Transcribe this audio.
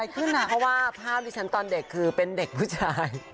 ขึ้นนะเพราะว่าภาพที่ฉันตอนเด็กคือเป็นเด็กผู้ชาย